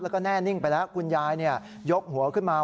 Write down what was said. แล้วก็แน่นิ่งไปแล้วคุณยายยกหัวขึ้นมา